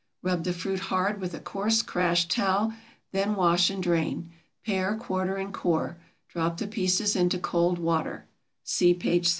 Rub the fruit hard with a coarse, crash towel, then wash and drain. Pare, quarter, and core; drop the pieces into cold water (see p. 13).